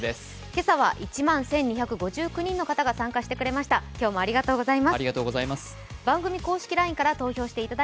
今朝は１万１２５９人の方が参加してくれました。